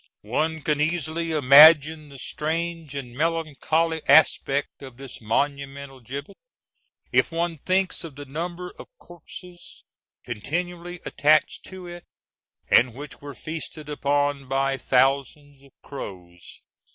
One can easily imagine the strange and melancholy aspect of this monumental gibbet if one thinks of the number of corpses continually attached to it, and which were feasted upon by thousands of crows.